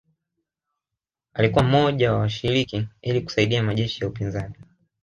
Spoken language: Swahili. Alikuwa mmoja wa washiriki ili kusaidia majeshi ya upinzani